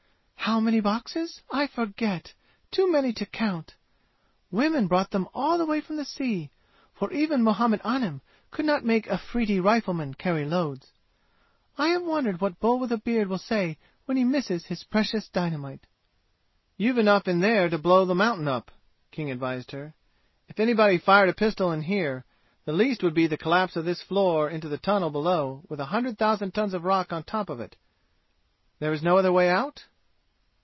"How many boxes? I forget! Too many to count! Women brought them all the way from the sea, for even Muhammad Anim could not make Afridi riflemen carry loads. I have wondered what Bull with a beard will say when he misses his precious dynamite!" "You've enough in there to blow the mountain up!" King advised her. "If somebody fired a pistol in here, the least would be the collapse of this floor into the tunnel below with a hundred thousand tons of rock on top of it. There is no other way out?"